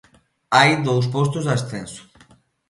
Hai dous postos de ascenso.